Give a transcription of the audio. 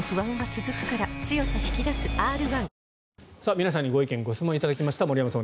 皆さんにご意見・ご質問を頂きました森山さん